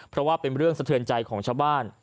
เพราะว่าเป็นเรื่องสะเทือนใจของชาวบ้าน